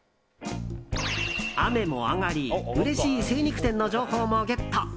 雨も上がりうれしい精肉店の情報もゲット。